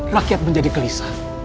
rakyat menjadi gelisah